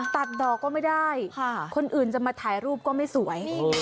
ดอกก็ไม่ได้คนอื่นจะมาถ่ายรูปก็ไม่สวย